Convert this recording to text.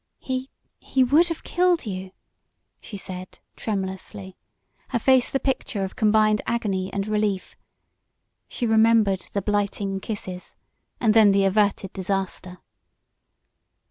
"He he would have killed you," she said, tremulously, her face the picture of combined agony and relief. She remembered the blighting kisses and then the averted disaster.